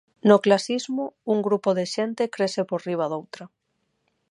No clasismo, un grupo de xente crese por riba doutra.